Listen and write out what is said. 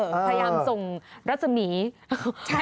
พยายามส่งรัศมีร์